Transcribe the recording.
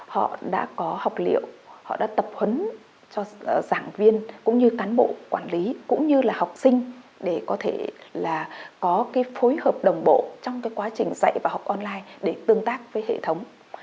họ đã có học liệu họ đã tập huấn cho giảng viên cũng như cán bộ quản lý cũng như là học sinh để có thể là có cái phối hợp đồng bộ trong quá trình dạy và học online để tương tác với hệ thống